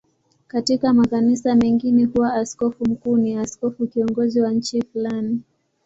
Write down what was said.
Katika makanisa mengine huwa askofu mkuu ni askofu kiongozi wa nchi fulani.